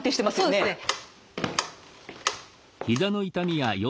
そうですね。